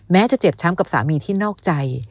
จะเจ็บช้ำกับสามีที่นอกใจ